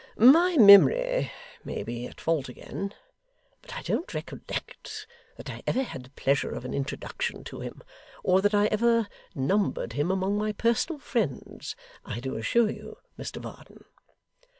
My memory may be at fault again, but I don't recollect that I ever had the pleasure of an introduction to him, or that I ever numbered him among my personal friends, I do assure you, Mr Varden.